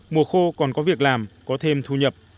mùa khô còn có việc làm có thêm thu nhập